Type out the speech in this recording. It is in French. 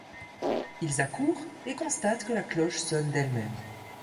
Ils accourent et constatent que la cloche sonne d’elle-même.